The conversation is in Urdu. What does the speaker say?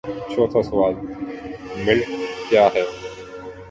چوتھا سوال: ملت کیاہے؟